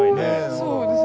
そうですね。